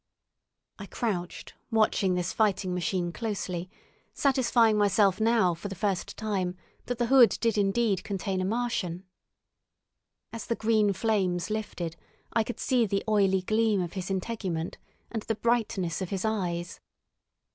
I crouched, watching this fighting machine closely, satisfying myself now for the first time that the hood did indeed contain a Martian. As the green flames lifted I could see the oily gleam of his integument and the brightness of his eyes.